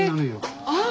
ああ！